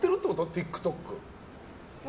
ＴｉｋＴｏｋ。